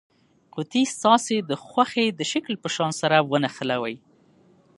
قطي ستاسې د خوښې د شکل په شان سره ونښلوئ.